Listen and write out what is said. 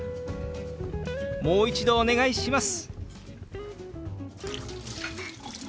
「もう一度お願いします」。